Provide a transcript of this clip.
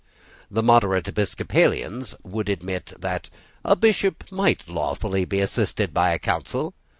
The moderate Episcopalians would admit that a Bishop might lawfully be assisted by a council.